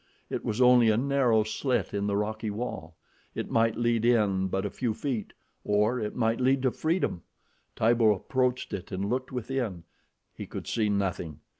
It was only a narrow slit in the rocky wall. It might lead in but a few feet, or it might lead to freedom! Tibo approached it and looked within. He could see nothing.